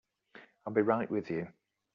I'll be right with you.